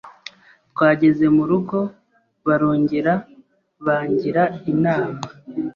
Twageze mu rugo barongera bangira inama